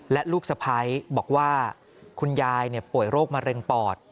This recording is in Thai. และลูกสะพ้ายบอกว่าคุณยายป่วยโรคมะเร็งปอด